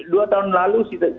dua tahun lalu sih